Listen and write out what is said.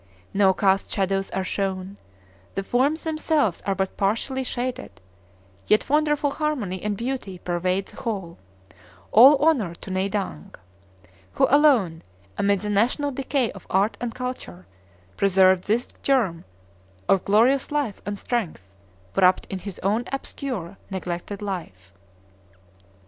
No cast shadows are shown, the forms themselves are but partially shaded, yet wonderful harmony and beauty pervade the whole. All honor to Nai Dang! who alone, amid the national decay of art and culture, preserved this germ of glorious life and strength, wrapped in his own obscure, neglected life!